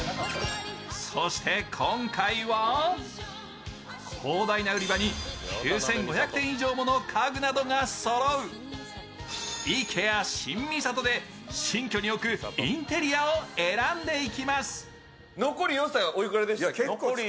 そして、今回は広大な売り場に９５００点以上のもの家具などがそろう、ＩＫＥＡ新三郷で新居に置くインテリアを選んでいきます。